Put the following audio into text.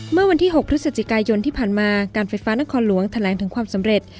เมื่อวันที่๖พฤศจิกายนที่ผ่านมาการไฟฟ้านครหลวงแถลงถึงความสำเร็จ